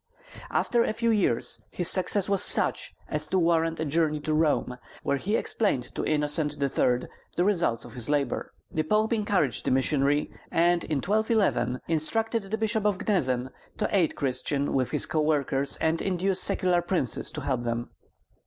After a few years his success was such as to warrant a journey to Rome, where he explained to Innocent III. the results of his labor. The Pope encouraged the missionary, and in 1211 instructed the Archbishop of Gnezen to aid Christian with his co workers and induce secular princes to help them.